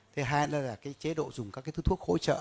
thứ hai là cái chế độ dùng các cái thuốc khổ trợ